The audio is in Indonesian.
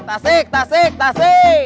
tasik tasik tasik